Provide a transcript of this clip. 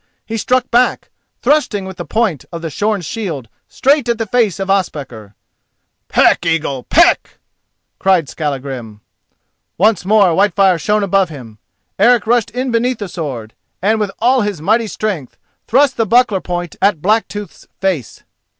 he struck back, thrusting with the point of the shorn shield straight at the face of Ospakar. "Peck! Eagle; peck!" cried Skallagrim. Once more Whitefire shone above him. Eric rushed in beneath the sword, and with all his mighty strength thrust the buckler point at Blacktooth's face.